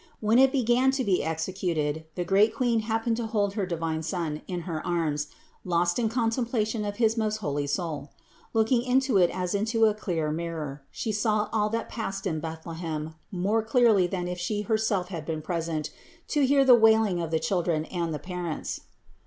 When it began to be exe cuted the great Queen happened to hold her divine Son in her arms, lost in contemplation of his most holy Soul. Looking into it as into a clear mirror, She saw all that passed in Bethlehem more clearly than if She herself had been present to hear the wailing of the children and the parents.